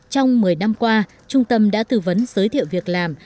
trong một mươi năm qua trung tâm đã tư vấn giới thiệu việc làm